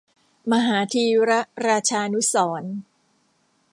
มหาธีรราชานุสรณ์